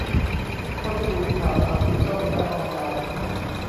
เท่าที่ดูข่าวสามสี่ช่องและออนไลน์